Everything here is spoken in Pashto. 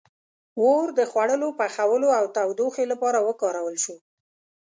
• اور د خوړو پخولو او تودوخې لپاره وکارول شو.